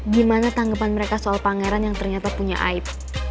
gimana tanggapan mereka soal pangeran yang ternyata punya aib